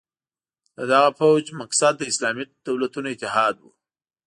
د دغه پوځ مقصد د اسلامي دولتونو اتحاد وو.